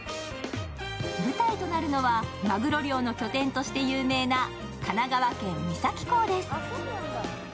舞台となるのはまぐろ漁の拠点として有名な神奈川県三崎港です。